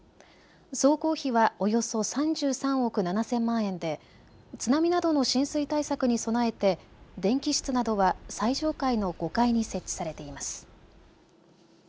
総工費はおよそ３３億７０００万円で津波などの浸水対策に備えて電気室などは最上階の５階に設置されています。